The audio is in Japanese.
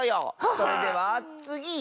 それではつぎ！